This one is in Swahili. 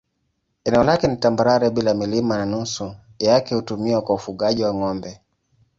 Eneo lake ni tambarare bila milima na nusu yake hutumiwa kwa ufugaji wa ng'ombe.